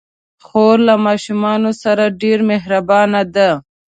خور له ماشومانو سره ډېر مهربانه ده.